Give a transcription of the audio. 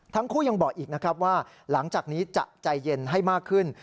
ทั้งคู่ยังบอกอีกนะครับว่าหลังจากนี้จะใจเย็นให้มากขึ้น